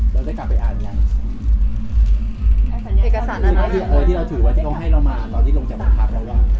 แล้วได้กลับไปอ่านอย่างเอกสารที่เราถือว่าต้องให้เรามาอ่านตอนที่ลงจากบังคับเราว่า